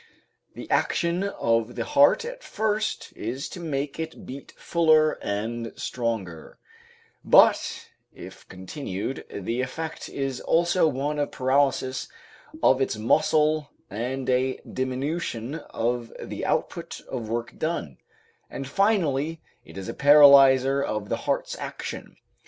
The action of the heart at first is to make it beat fuller and stronger, but if continued, the effect is also one of paralysis of its muscle and a diminution of the output of work done, and finally it is a paralyzer of the heart's action.